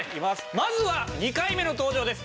まずは２回目の登場です